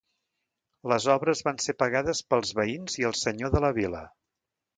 Les obres van ser pagades pels veïns i el senyor de la vila.